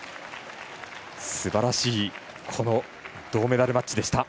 すばらしい銅メダルマッチでした。